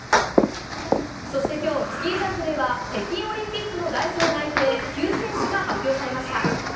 そして今日、スキージャンプでは北京オリンピックの代表内定９選手が発表されました。